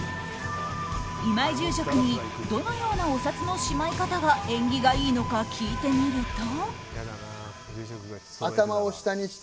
今井住職にどのようなお札のしまい方が縁起がいいのか聞いてみると。